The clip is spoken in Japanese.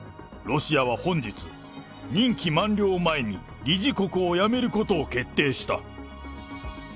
ロシアは本日、任期満了前に理事国を辞めることを決定した。